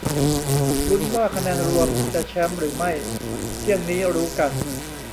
ลุ้น ว่าคะแนนรวมจะแชมป์หรือไม่ เที่ยงนี้รู้กัน